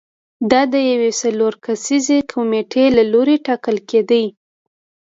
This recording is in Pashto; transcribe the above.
دا د یوې څلور کسیزې کمېټې له لوري ټاکل کېدل